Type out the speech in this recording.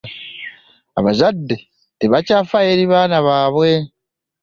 Abazadde tebakyafaayo eri abaana baabwe .